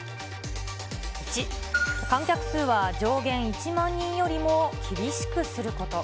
１、観客数は上限１万人よりも厳しくすること。